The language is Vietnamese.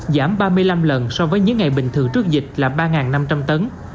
giảm ba mươi năm lần so với những ngày bình thường trước dịch là ba năm trăm linh tấn